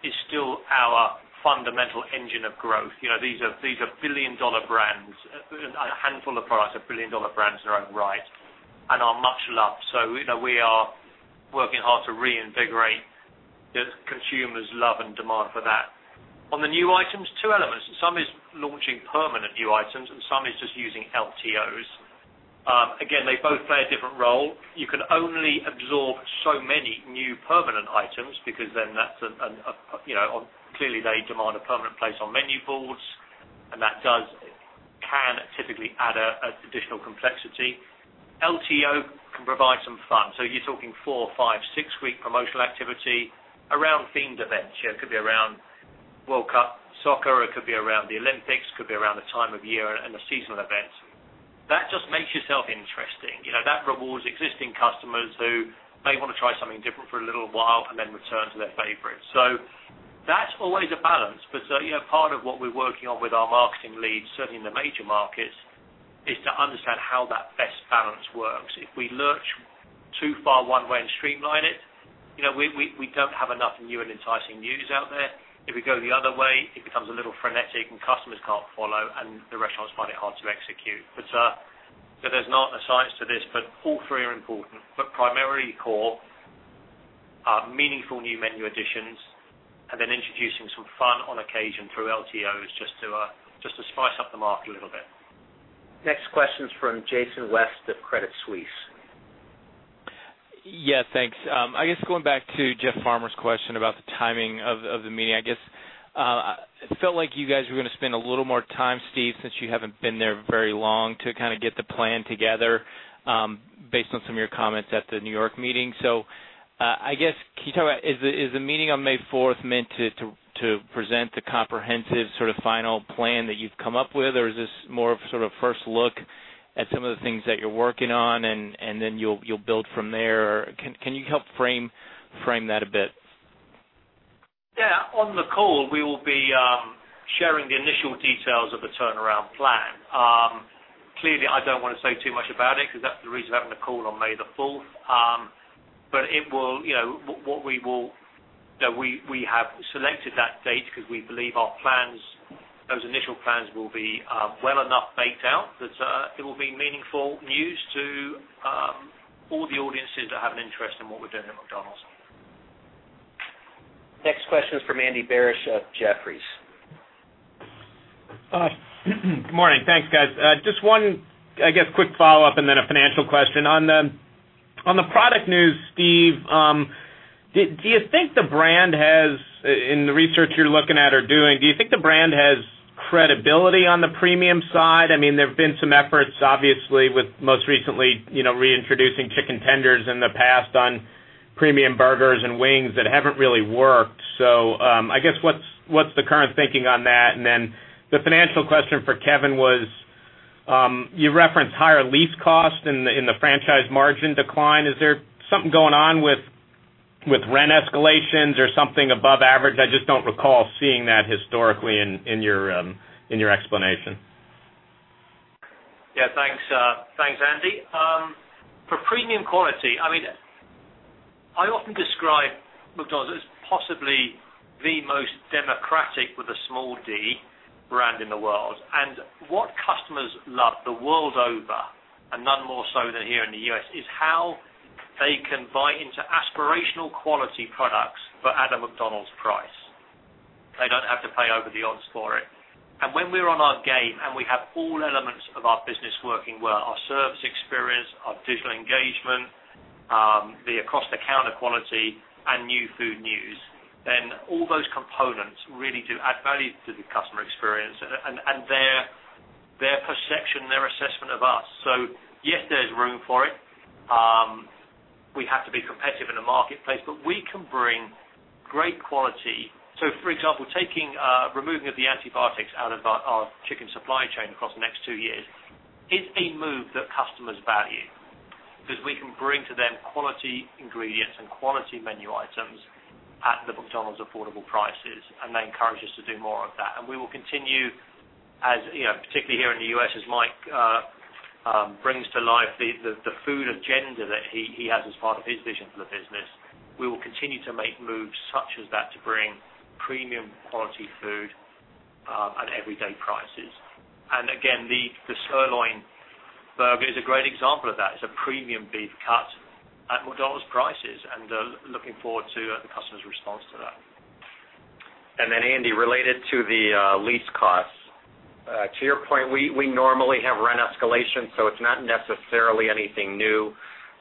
is still our fundamental engine of growth. These are billion-dollar brands. A handful of products are billion-dollar brands in their own right and are much loved. We are working hard to reinvigorate the consumers' love and demand for that. On the new items, two elements. Some is launching permanent new items, and some is just using LTOs. Again, they both play a different role. You can only absorb so many new permanent items because clearly they demand a permanent place on menu boards, and that can typically add additional complexity. LTO can provide some fun. You're talking four, five, six-week promotional activity around themed events. It could be around World Cup soccer, or it could be around the Olympics. It could be around the time of year and the seasonal events. That just makes yourself interesting. That rewards existing customers who may want to try something different for a little while and then return to their favorite. That's always a balance. Part of what we're working on with our marketing leads, certainly in the major markets, is to understand how that best balance works. If we lurch too far one way and streamline it, we don't have enough new and enticing news out there. If we go the other way, it becomes a little frenetic, and customers can't follow, and the restaurants find it hard to execute. There's not a science to this, but all three are important. Primarily core are meaningful new menu additions and then introducing some fun on occasion through LTOs just to spice up the market a little bit. Next question's from Jason West at Credit Suisse. Yeah, thanks. I guess going back to Jeff Farmer's question about the timing of the meeting. I guess, it felt like you guys were going to spend a little more time, Steve, since you haven't been there very long, to kind of get the plan together, based on some of your comments at the New York meeting. I guess, can you talk about, is the meeting on May fourth meant to present the comprehensive sort of final plan that you've come up with? Or is this more of a sort of first look at some of the things that you're working on, and then you'll build from there? Can you help frame that a bit? Yeah. On the call, we will be sharing the initial details of the turnaround plan. Clearly, I don't want to say too much about it because that's the reason we're having the call on May the fourth. We have selected that date because we believe those initial plans will be well enough baked out that it will be meaningful news to all the audiences that have an interest in what we're doing at McDonald's. Next question is from Andy Barish at Jefferies. Good morning. Thanks, guys. Just one, I guess, quick follow-up and then a financial question. On the product news, Steve, do you think the brand has, in the research you're looking at or doing, do you think the brand has credibility on the premium side? There have been some efforts, obviously, with most recently, reintroducing chicken tenders in the past on premium burgers and wings that haven't really worked. I guess what's the current thinking on that? The financial question for Kevin was, you referenced higher lease costs in the franchise margin decline. Is there something going on with rent escalations or something above average? I just don't recall seeing that historically in your explanation. Yeah. Thanks, Andy. For premium quality, I often describe McDonald's as possibly the most democratic, with a small D, brand in the world. What customers love the world over, and none more so than here in the U.S., is how they can buy into aspirational quality products for at a McDonald's price. They don't have to pay over the odds for it. When we are on our game and we have all elements of our business working well, our service experience, our digital engagement, the across-the-counter quality, and new food news, all those components really do add value to the customer experience and their perception, their assessment of us. Yes, there's room for it. We have to be competitive in the marketplace, but we can bring great quality. For example, removing the antibiotics out of our chicken supply chain across the next two years is a move that customers value because we can bring to them quality ingredients and quality menu items at the McDonald's affordable prices, and they encourage us to do more of that. We will continue, particularly here in the U.S., as Mike brings to life the food agenda that he has as part of his vision for the business. We will continue to make moves such as that to bring premium quality food at everyday prices. Again, the sirloin burger is a great example of that. It's a premium beef cut at McDonald's prices, and looking forward to the customer's response to that. Andy, related to the lease costs. To your point, we normally have rent escalation, so it's not necessarily anything new.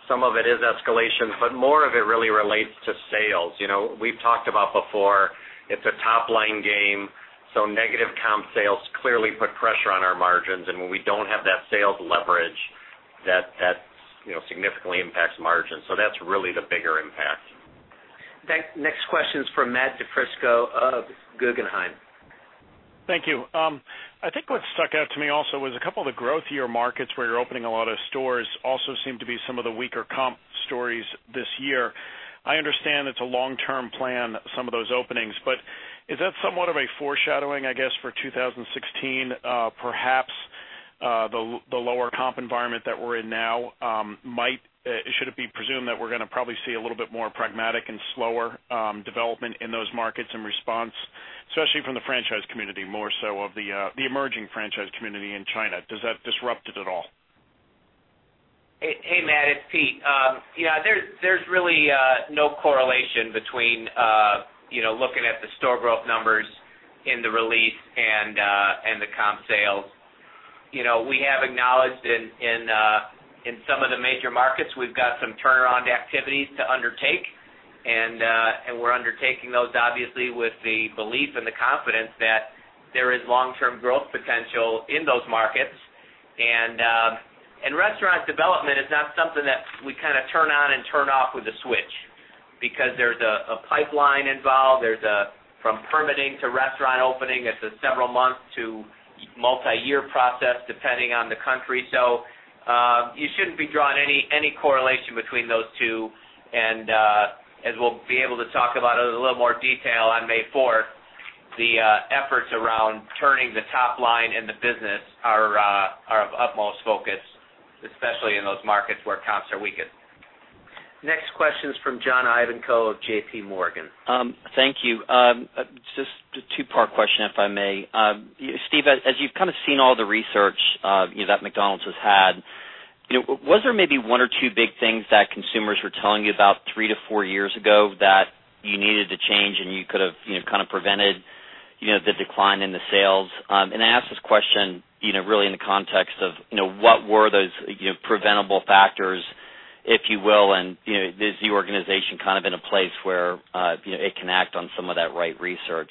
Some of it is escalation, but more of it really relates to sales. We've talked about before, it's a top-line game, so negative comp sales clearly put pressure on our margins, and when we don't have that sales leverage, that significantly impacts margins. That's really the bigger impact. Next question is from Matthew DiFrisco of Guggenheim. Thank you. I think what stuck out to me also was a couple of the growth-year markets where you're opening a lot of stores also seem to be some of the weaker comp stories this year. I understand it's a long-term plan, some of those openings, but is that somewhat of a foreshadowing, I guess, for 2016? Perhaps the lower comp environment that we're in now, should it be presumed that we're going to probably see a little bit more pragmatic and slower development in those markets in response, especially from the franchise community, more so of the emerging franchise community in China? Does that disrupt it at all? Hey, Matt, it's Pete. Yeah, there's really no correlation between looking at the store growth numbers in the release and the comp sales. We have acknowledged in some of the major markets, we've got some turnaround activities to undertake, and we're undertaking those obviously with the belief and the confidence that there is long-term growth potential in those markets. Restaurant development is not something that we kind of turn on and turn off with a switch, because there's a pipeline involved. From permitting to restaurant opening, it's a several month to multi-year process, depending on the country. You shouldn't be drawing any correlation between those two. As we'll be able to talk about it in a little more detail on May 4th, the efforts around turning the top line in the business are of utmost focus, especially in those markets where comps are weakest. Next question is from John Ivankoe of JPMorgan. Thank you. Just a two-part question, if I may. Steve, as you've kind of seen all the research that McDonald's has had, was there maybe one or two big things that consumers were telling you about three to four years ago that you needed to change and you could have kind of prevented the decline in the sales? I ask this question really in the context of what were those preventable factors, if you will, and is the organization kind of in a place where it can act on some of that right research?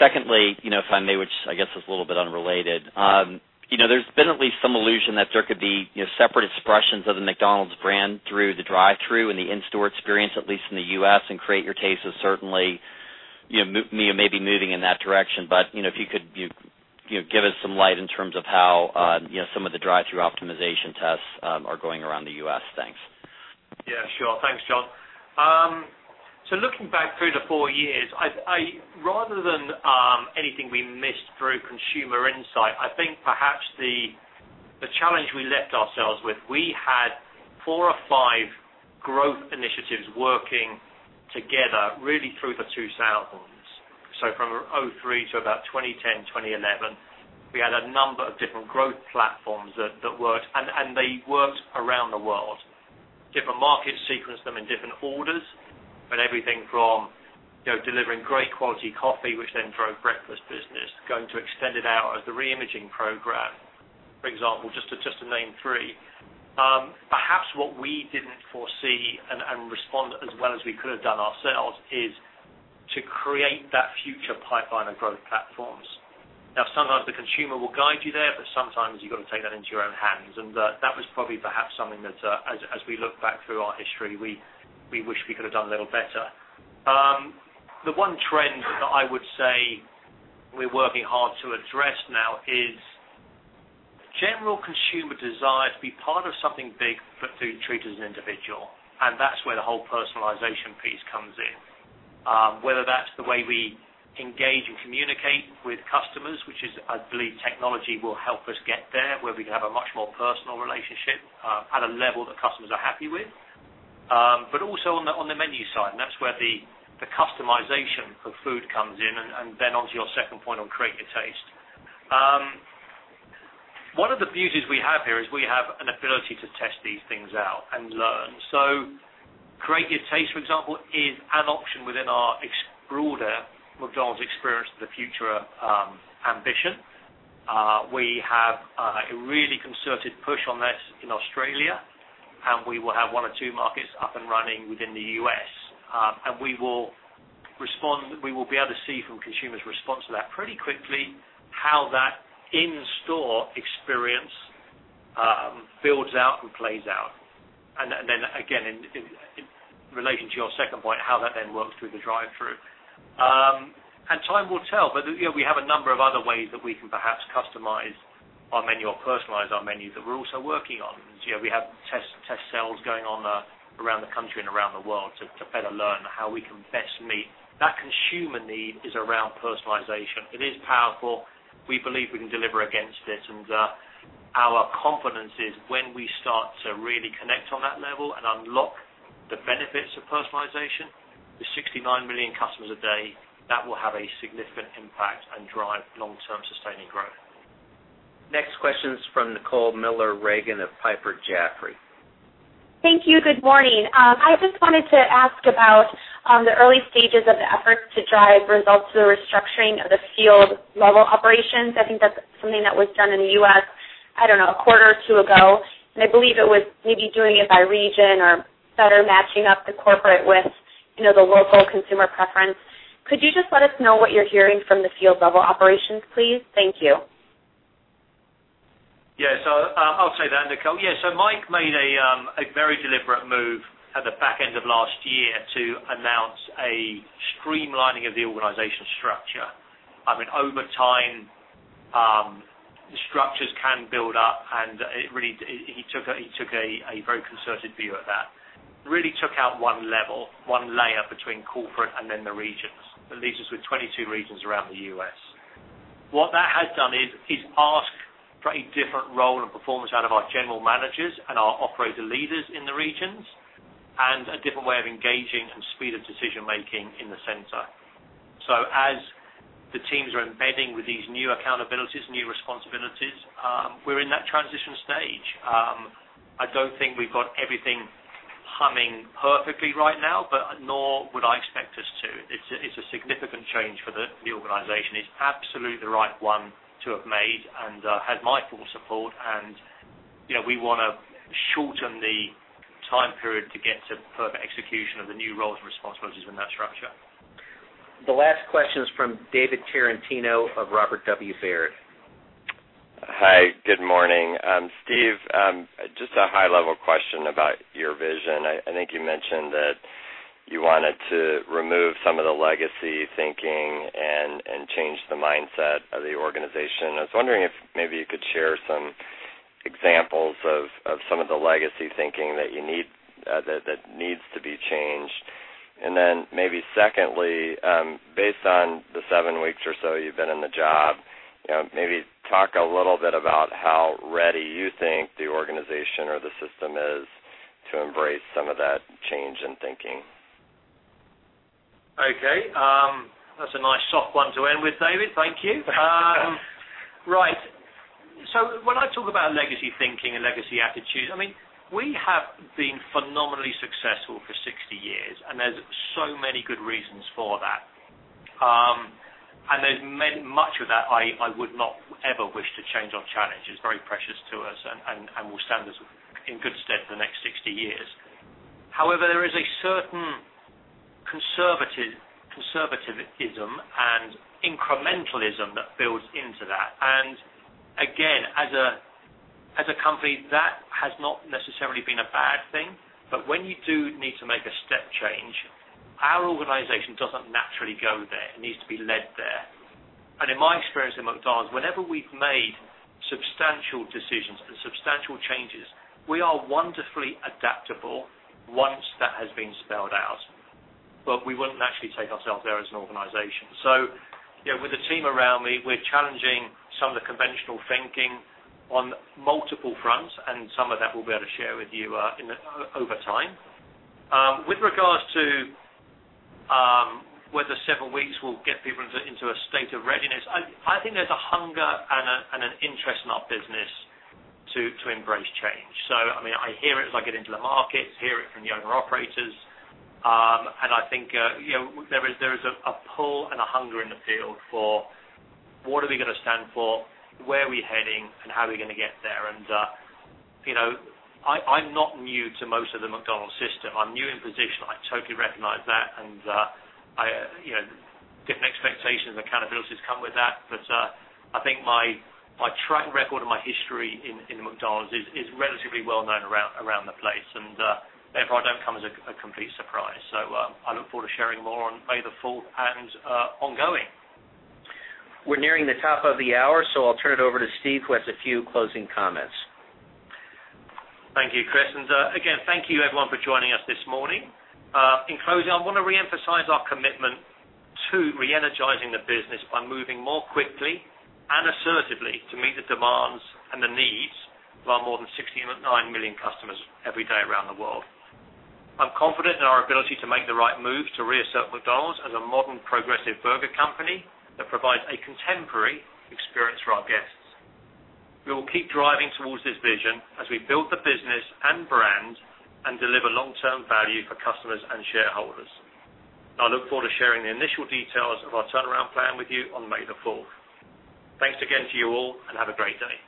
Secondly, if I may, which I guess is a little bit unrelated. There's been at least some illusion that there could be separate expressions of the McDonald's brand through the drive-thru and the in-store experience, at least in the U.S., and Create Your Taste is certainly maybe moving in that direction. If you could give us some light in terms of how some of the drive-thru optimization tests are going around the U.S. Thanks. Yeah, sure. Thanks, John. Looking back three to four years, rather than anything we missed through consumer insight, I think perhaps the challenge we left ourselves with, we had four or five growth initiatives working together really through the 2000s. From 2003 to about 2010, 2011, we had a number of different growth platforms that worked, and they worked around the world. Different markets sequenced them in different orders, but everything from delivering great quality coffee, which then drove breakfast business, going to extend it out as the re-imaging program, for example, just to name three. Perhaps what we didn't foresee and respond as well as we could have done ourselves is to create that future pipeline of growth platforms. Sometimes the consumer will guide you there, but sometimes you've got to take that into your own hands. That was probably perhaps something that, as we look back through our history, we wish we could have done a little better. The one trend that I would say we're working hard to address now is general consumer desire to be part of something big but to be treated as an individual. That's where the whole personalization piece comes in. Whether that's the way we engage and communicate with customers, which is, I believe technology will help us get there, where we can have a much more personal relationship at a level that customers are happy with. Also on the menu side, and that's where the customization of food comes in, and then onto your second point on Create Your Taste. One of the beauties we have here is we have an ability to test these things out and learn. Create Your Taste, for example, is an option within our broader McDonald's Experience of the Future ambition. We have a really concerted push on this in Australia, and we will have one or two markets up and running within the U.S. We will be able to see from consumers' response to that pretty quickly how that in-store experience builds out and plays out. Then again, in relation to your second point, how that then works through the drive-thru. Time will tell, but we have a number of other ways that we can perhaps customize our menu or personalize our menu that we're also working on. We have test cells going on around the country and around the world to better learn how we can best meet that consumer need is around personalization. It is powerful. We believe we can deliver against it. Our confidence is when we start to really connect on that level and unlock the benefits of personalization to 69 million customers a day, that will have a significant impact and drive long-term sustaining growth. Next question is from Nicole Miller Regan of Piper Jaffray. Thank you. Good morning. I just wanted to ask about the early stages of the effort to drive results through the restructuring of the field level operations. I think that's something that was done in the U.S., I don't know, a quarter or two ago, I believe it was maybe doing it by region or better matching up the corporate with the local consumer preference. Could you just let us know what you're hearing from the field level operations, please? Thank you. I'll say that, Nicole. Yeah. Mike made a very deliberate move at the back end of last year to announce a streamlining of the organization structure. Over time, structures can build up, he took a very concerted view of that. Really took out one level, one layer between corporate and then the regions. That leaves us with 22 regions around the U.S. What that has done is ask for a different role and performance out of our general managers and our operator leaders in the regions, a different way of engaging and speed of decision-making in the center. As the teams are embedding with these new accountabilities, new responsibilities, we're in that transition stage. I don't think we've got everything humming perfectly right now, nor would I expect us to. It's a significant change for the organization. It's absolutely the right one to have made and has my full support and we want to shorten the time period to get to perfect execution of the new roles and responsibilities in that structure. The last question is from David Tarantino of Robert W. Baird. Hi. Good morning. Steve, just a high-level question about your vision. I think you mentioned that you wanted to remove some of the legacy thinking and change the mindset of the organization. I was wondering if maybe you could share some examples of some of the legacy thinking that needs to be changed. Then maybe secondly, based on the seven weeks or so you've been in the job, maybe talk a little bit about how ready you think the organization or the system is to embrace some of that change in thinking. Okay. That's a nice soft one to end with, David. Thank you. Right. When I talk about legacy thinking and legacy attitudes, we have been phenomenally successful for 60 years, and there's so many good reasons for that. Much of that I would not ever wish to change or challenge, it's very precious to us and will stand us in good stead for the next 60 years. However, there is a certain conservatism and incrementalism that builds into that. Again, as a company, that has not necessarily been a bad thing. When you do need to make a step change, our organization doesn't naturally go there. It needs to be led there. In my experience in McDonald's, whenever we've made substantial decisions and substantial changes, we are wonderfully adaptable once that has been spelled out. We wouldn't naturally take ourselves there as an organization. With the team around me, we're challenging some of the conventional thinking on multiple fronts, and some of that we'll be able to share with you over time. With regards to whether several weeks will get people into a state of readiness, I think there's a hunger and an interest in our business to embrace change. I hear it as I get into the markets, hear it from the owner operators. I think there is a pull and a hunger in the field for what are we going to stand for, where are we heading, and how are we going to get there? I'm not new to most of the McDonald's system. I'm new in position. I totally recognize that, and different expectations and accountabilities come with that. I think my track record and my history in McDonald's is relatively well-known around the place, and therefore, I don't come as a complete surprise. I look forward to sharing more on May the fourth and ongoing. We're nearing the top of the hour, so I'll turn it over to Steve, who has a few closing comments. Thank you, Chris. Again, thank you, everyone, for joining us this morning. In closing, I want to reemphasize our commitment to reenergizing the business by moving more quickly and assertively to meet the demands and the needs of our more than 69 million customers every day around the world. I'm confident in our ability to make the right moves to reassert McDonald's as a modern, progressive burger company that provides a contemporary experience for our guests. We will keep driving towards this vision as we build the business and brand and deliver long-term value for customers and shareholders. I look forward to sharing the initial details of our turnaround plan with you on May the fourth. Thanks again to you all, and have a great day.